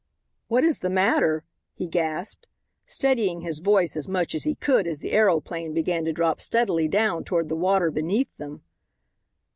"What is the matter?" he gasped, steadying his voice as much as he could as the aeroplane began to drop steadily down toward the water beneath them.